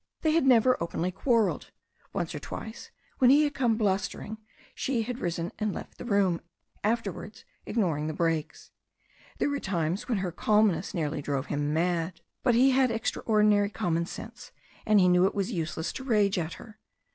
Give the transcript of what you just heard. They had never openly quarrelled. Once or twice, when he had become blustering, she had risen and left the room, afterwards ignoring the breaks. There were times when her calmness nearly drove him mad. But he had extraordinary common sense, and he knew it was useless to rage at her.